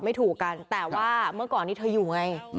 ถูกกันแต่ว่าเมื่อก่อนนี้เธออยู่ไง